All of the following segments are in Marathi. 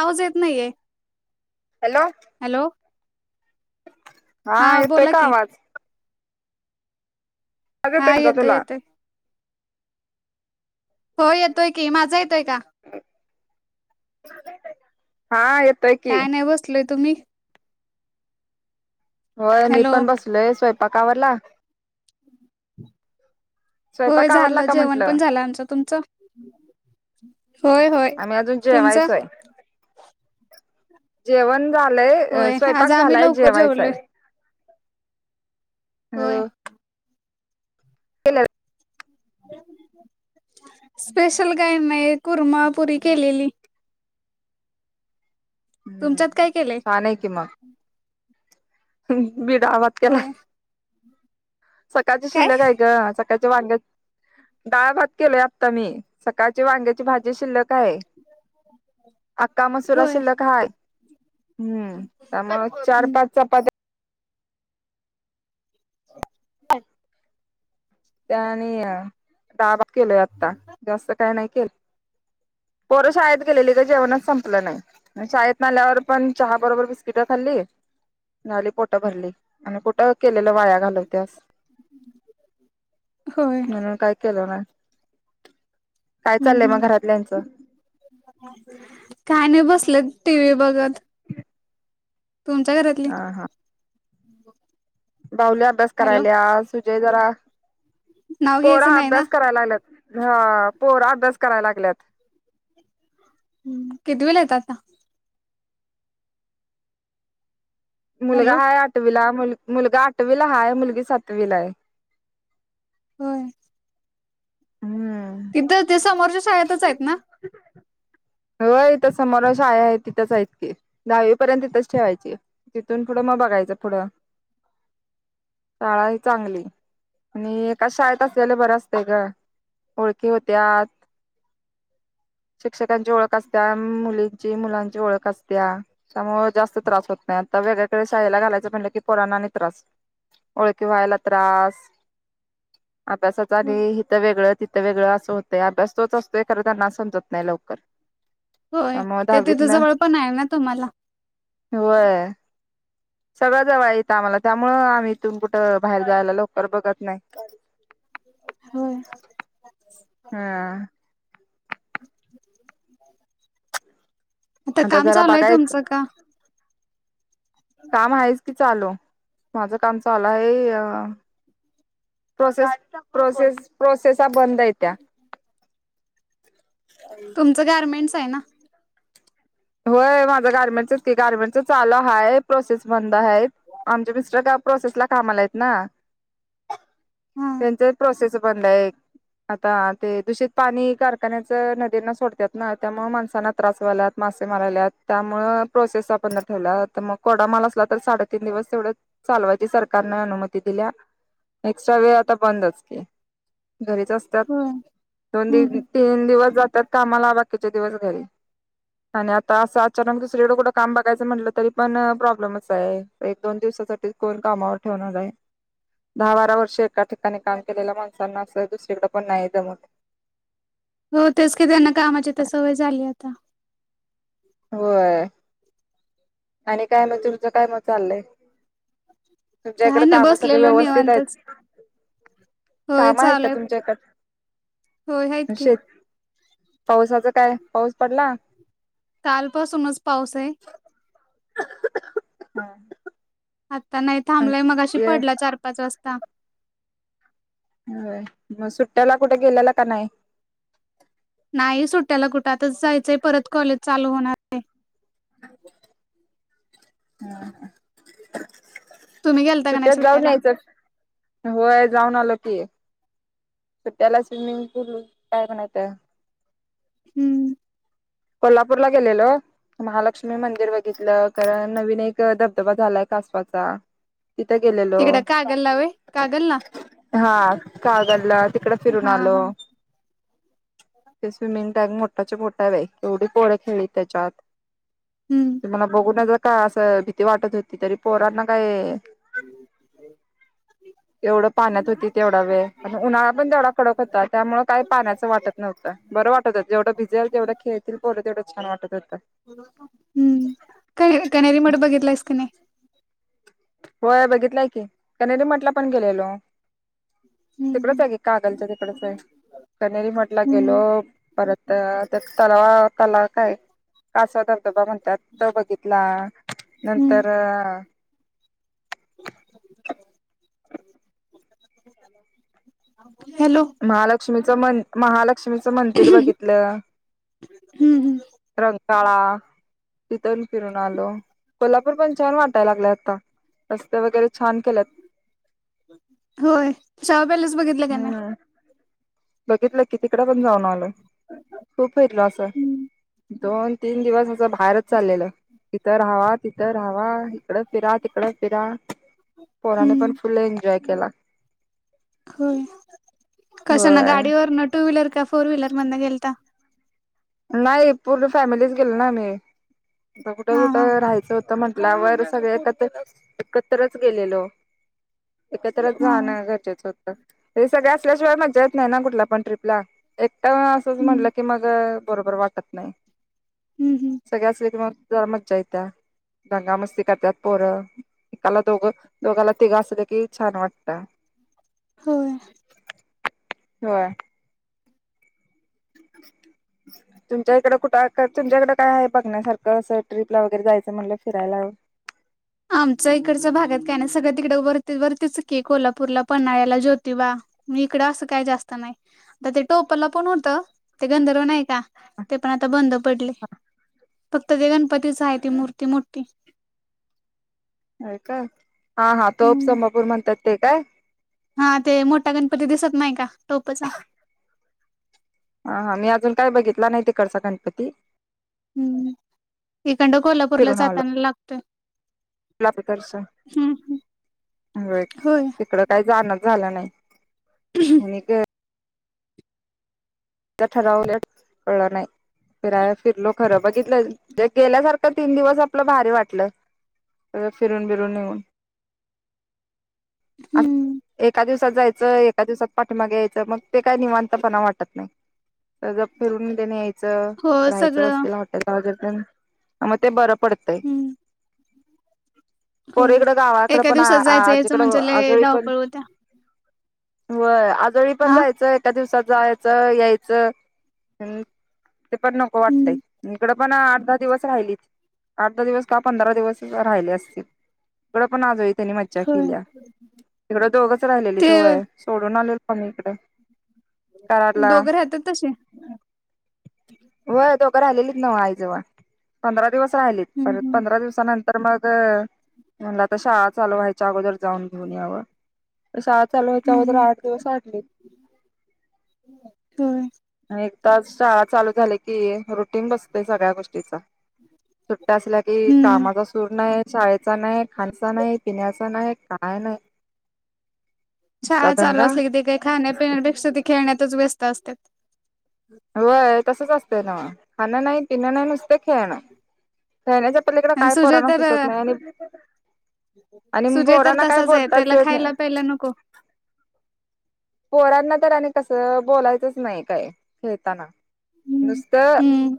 आवाज येत नाहीये हॅलो हॅलो. हा येतोय बोला का की आ? हा का तुला? येतोय-येतोय. हो येतोय की माझा येतोय का? हा येतोय. की. काय नाही बसलोय तुम्ही. होय मी हॅलो पण बसलोय स्वयंपाक आ. होय झालं. जेवण म्हंटलं? पण झालं. आमचं तुमचं. होय-होय आम्ही अजून तुमच. जेवायचंय. जेवण झालंय स्वयंपाक आम्ही झालाय लवकर जेवलोय जेवायचाय. हो होय [unintelligible] स्पेशल काही नाही कुरमापुरी केलेली. हम्म तुमच्यात काय केलंय? हम्म मी डाळ भात केलाय. होय सकाळचं काय शिल्लक आहे ग स काळच्या वांग्या, डाळ, भात केलोय आत्ता मी, सकाळची वांग्याची भाजी जी शिल्लक आहे. अक्का मसूरा होय शिल्लक हाय, हम्म त्यामुळे चार पाच चपात्या ते आणि अ डाळ भात केलोय आता, जास्त काही नाही केल पोर शाळेत गेलेली, जेवणच संपलं नाही शाळेत न आल्यावर पण चहा बरोबर बिस्किट खाल्ली ली झाली पोट भरली आणि पोट के वाया घालवत्यास होय म्हणून काय केलं ना! काय हम्म चालय हम्म. मग घरातल्याचं. काय नाही बसल टीव्ही बघत. तुमच्या घरातली? बाहुले अभ्यास हॅलो करायला सुजय जरा नाव घ्यायचं पोरं नाही ना अभ्यास कराय लागल्यात. हा पोर अभ्यास करायला लागल्यात. कितीविला आहेत आता? मुलगा हॅलो हाय आठवीला मुलगा आठवीला, हाय मुलगी सातवीला आहे. हो! हम्म समोरच्या शाळेतच आहेत ना? होय इथं समोर शाळा आहे तिथंच आहेत, ती दहावी पर्यंत तिथेच ठेवायची तिथून पुढं मग, बघायचं पुढं [inaudible] शाळा ही चांगली आणि एका शाळेत असलेलं बरं असतय ग! ओळखी होत्यात. शिक्षकांची ओळख असत्या मुलींची मुलांची ओळख अस त्या त्यामुळे जास्त त्रास होत नाही, आता वेगळीकडे शाळेला घालायचं म्हटलं की पोरांना आणि त्रास ओळखी व्हायला त्रास, अभ्यासाच आणि होय हिथं वेगळं तिथं वेगळं असं होतं अभ्यास तोच असतोय खरं त्यांना समजत नाही लवकर. होय, त्यामुळं ते दहावी तिथं तण जवळ पण आहे ना तुम्हाला होय. सगळं जवळ आहे इथं आम्हाला त्यामुळं आम्ही इथून कुठं बाहेर जायला लवकर बघत नाही. होय. हा [inaudible] आता काम जरा चालू आहे बघायच तुमचं का? काम आहेच की चालू माझं काम चालू आहे. अ प्रोसे प्रोसेस प्रोसेसा बंद य त्या्या. तुमचं गारमेंट आहे ना! होय माझा गार्मेंट गार्मेंट चालू हाय प्रोसेस बंद हाय आमच मिस्टर ग. प्रोसेस ला कामाला आहेत ना! [inaudible] त्यांचा प्रोसेस बंद आहे. आता ते दूषित पाणी कारखान्याच नदीनासोडतात ना त्यामुळं माणसांना त्रास व्हायलात. मासे मरायलयात त्यामुळे प्रोसेस आपण ठेवला तर मग कोरडा माल असला तर साडेतीन दिवस तेवढं चालवायची सरकारने अनुमती दिल्या एक्स्ट्रा वे आता बंदच की, घरीच असतात होय दोन दि हं, हं. तीन दिवस त्यात कामाला बाकीचे दिवस घरी, आणि आता असं अचानक दुसरीकडें कुठं काम बघायचं म्हटलं तरी पण प्रॉब्लेमच आहे एक दोन दिवस. कोण कामावर ठेवणार आहे. दहा बारा वर्ष एका ठिकाणी काम केलेल्या, माणसांना अस दुसरीकडे पण नाही जमत, हो तेच कि त्यांना कामाची तर सवय झाली आता. होय आणि काय मग तुमचं काय मग चाललंय. तुमच्या काय इकड नाही काम सगळी बसलेलो व्यवस्थित निवांतच आहेत. काम आहेत का तुमच्या कड हो आहेत की, पाऊसाच काय पाऊस पडला. कालपासूनच पाऊस आहे हा आता नाही थांबलाय मग अशी पडला चार पाच वाजता हो मग सुट्ट्याला कुठे गेलेला का नाही नाही सुट्ट्याला कुठातच जायचंय परत कॉलेज चालू होणार आहे हम तुम्ही गेलता का नाही सुट्ट्यात जाऊ सुट्ट्याला नाहीच होय जाऊन आलो की त्याला स्विमिंग पूल काय म्हणायचं हम्म कोल्हापूर ला गेलेलो महालक्ष्मी मंदिर बघितलं कारण नवीन एक धबधबा झालाय कासवाचा तिथे गेलेलो तिकडं कागलला व्हय कागलला हा कागलला तिकड फिरून हा आलो हा ते स्विमिंग टॅंग मोठाच्या मोठा आहे बाई एवढी पोर खेळली त्याच्यात हम्म तुम्हाला बघू ना ज का असं भीती वाटत होती तरी पोरांना काय हम् एवढं पाण्यात होती तेवढा वेळ उन्हाळा पण तेवढा कडक होता त्यामुळे काही पाण्याचं वाटत नव्हतं बर वाटत जवढं भिजल तेवढ खेळतील पोर तेवढ छान वाट हम्म क कनेरी मठ बघितलंयस काय नाही होय बघितलंय की कनेरीमटला पण गेलेलो हम्म तिकडच हम्म आहे ग कागलच्या तिकडच आहे कनेरी मठला गेलो हम्म परत तर त्या तलावा तलाव काय कासव धबधबा म्हणतात तो बघितला हम्म नंतर [inaudible] हॅलो महालक्ष्मीच मन महा लक्ष्मीचं मंदिर बघितलं हम्म हम्म रंगाळा तिथून फिरून आलो कोल्हापूर पन छान वाटायला लागलंय आता रस्त वगैरे छान केल्यात होय शाहू पॅलेस बघितलं का नाही हम्म बघितलं की तिकड पण जाऊन आलो खूप फिरलो असं हम्म दोन तीन दिवस असं बाहेरच चाललेलं इथं राव्हा तिथ राहावा इकड फिरा तिकड फिरा पोराने पण हम्म फुल एन्जॉय केला होय कस ना होय गाडीवर न टू व्हीलर का फोर व्हीलर मधन गेलता नाही पूर्ण फॅमिलीच गेलो ना आम्ही कुठे हा हा कुठं राहायचं होत म्हंटल्यावर सगळे एकत एकत्रच गेलेलो एकत्रच हा जाणं गरजेचं होतं हे सगळं असल्याशिवाय मज्जा येत नाही ना कुठल्या पण ट्रीप ला एकटा असंच म्हटलं हम्म की मग बरोबर वाटत नाही हम्म हम्म सगळे असले की मग जरा मज्जा येत्या दंगा मस्ती करतात पोरं एकाला दोघं दोघाला तिघ असलं की छान वाटत हो हो [inaudible] तुमच्या इकड कुठं तुमच्याकडे काय आहे बघण्या सारखं असं ट्रिपला वगैरे जायचं म्हटलं फिरायला [inaudible] आमच्या इकडच्या भागात काय ना सगळ्यात तिकडे वरती वरतीच की आहे कोल्हापूरला पन्हाळ्याला ज्योतिबा मग इकडं असं काय जास्त नाही ते टोपला पण होत ते गंधर्व नाही का ते प आता बंद पडलय फक्त ते गणपतीच आहे ती मूर्ती मोठी का हा हा टोप संबापूर म्हणतात ते काय हा ते मोठा गणपती दिसत नाही का टोपचा हा हा, मी अजून काय बघितला नाही तिकडचा गणपती. हम्म, इकंड कोल्हापूरला जाताना लागतोय. दर्शन, हम्म होय तिकडं काय जाणं झालं नाही, म मी च ठरवले कळलं नाही फिराय फिरलो खरं बघितलं गेल्यासारखं तीन दिवस आपलं भारी वाटलं. परत फिरून बिरून येेऊन, आस हम्म. एका दिवस जायचं एका दिवसात पाठीमागं यायचं मग ते काय निवांतपणा वाटत नाही. तर जर फिरून तेे न यायचं, हो राहायचं सगळं वस्तीला हॉटेलला वगे न म ते बरं पडतेय. हम्म पोरं होय. इकडं गावाकडं एका पण आ दिवसात जायचं यायचं आजीकडं‌ म्हणजे लय आजोळी पण धावपळ होत्या होय, आजोळी पण हा जायचं एका दिवसात जायचं याय तचं हम् [unintelligible] ते पण नको वाटतय. हम्म इकडं पण आठ दहा दिवस राहिलीच. आठ दहा दिवस का पंधरा दिवस राहिले असतील. इडं पण आज होईल. त्यांनी मज्जा होय. केली. इकड दोघच राहिलेलीत ते व्हय सोडून आलेलो पण इकड. कराडला. तसें होय दोघं राहिलेलीत व्हव आई जवळ. पंधरा दिवस राहिलीत परत हम्म राहीलीत हम्म पंधरा दिवसा नंतर मग. म्हणलं आता शाळा चालू वा्हायच्या अगोदर जाऊन घेऊन याव. शाळा चालू व्हायच्या हम्म अगोदर हम्म आठ दिवस आनली. होय एकदाच शाळा चालू झाली की रुटिंग बसतोय सगळ्या गोष्टीचा. असला की हम्म. कामाचा सूर नाही. शाळेचा नाही. खाण्याचा नाही. पिण्याचा नाही. काय नाही. नुसता शाळा चालू दंगा असली कि ते काही खाण्यापिण्यापेक्षा ते खेळण्यातच व्यस्त असतात. होय तसच असतं नव्ह. खाणं नाही. पिणं नाही. नुसत खेळणं. खण्याच्या पलीकडे आणि काय सुजय पोराण तर सुचत नाही आणि. आणि सुजय तर पोरांना काय तसाच आहे बोलताच त्याला खायला प्यायला नको पोरांना तर आणि कसं बोलायचंच नाही काय खेळताना. हम्म नुसत हम्म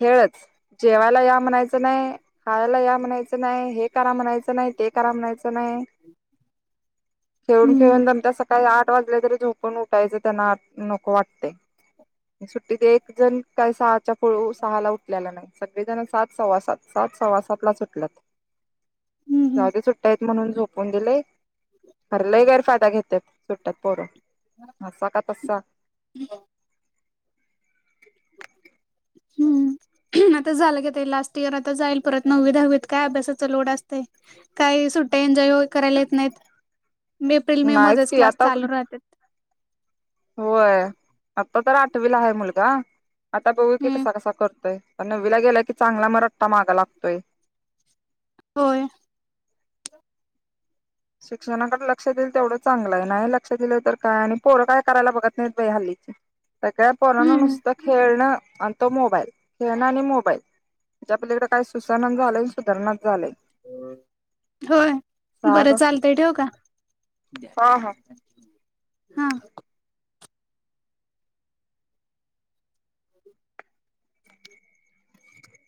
खेळच. जेवायला या म्हणायचं नाही. हायला या म्हणायचं नाही. हे करा म्हणायचं नाही. ते करा म्हणायचं नाही. [unintelligible] खेळून. हम्म खेळून दमली सकाळी आठ वाजल् तरी त्यांना झोपून उठायचं त्यांना नको वाटतय. सुट्टीत एक जण काय सात चा [unintelligible] सहाला उठलेला नाही, सगळेजण सात सवासात सात सवासातलाच उठल्यात. हम्म जाऊदे सुट्ट्या आहेत म्हणून झोपून दिलंय, खरं लय गैरफायदा घेतेत. सुट्ट्यात पोरं, असा का तसा? [unintelligible] हम्म आता झालं की आता ही लास्ट इयर आता जाईल परत नववी दहावीत काय अभ्यासाचा लोड असतंय, काय सुट्ट्या लय ओ करायला येत नाहीत, एप्रिल मे नाहीच मध्येच की क्लास आता पण चालू राहतेत. होय, आता तर आठवीला आहे मुलगा, आता बघू की हम्म कसा कसा करतोय. पण नववीला गेला की चांगला म रट्टा मागं लागतोय. होय. शिक्षणाकडे लक्ष देईल तेवढं चांगलं आहे, नाही लक्ष दिलं तर काय आणि पोरं काय करायला बघत नाहीत बाई हल्ली. सगळ्या पोरांना हम्म नुसतं खेळणं आणि तो मोबाईल, खेळणं आणि मोबाईल म्हणजे आपल्याकडं काय सु सुसान झालंय अन सुधरणा झालंय, का ग? ते ठेव का? हा